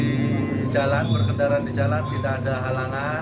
berjalan bergendaran di jalan tidak ada halangan